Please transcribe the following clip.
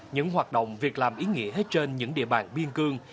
những hoạt động việc làm ý nghĩa hết trên những địa bàn biên cương